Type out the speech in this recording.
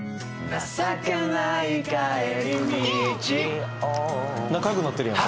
情けない帰り道仲よくなってるやん